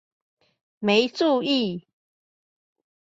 沒注意！